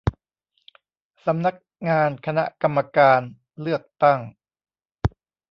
สำนักงานคณะกรรมการเลือกตั้ง